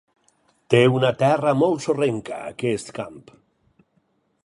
Té una terra molt sorrenca, aquest camp.